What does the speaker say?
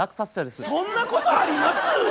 そんなことあります